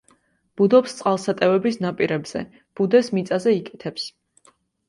ბუდობს წყალსატევების ნაპირებზე, ბუდეს მიწაზე იკეთებს.